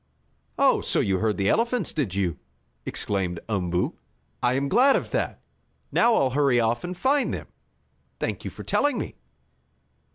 "Oh, so you heard the elephants, did you?" exclaimed Umboo. "I am glad of that. Now I'll hurry off and find them. Thank you for telling me."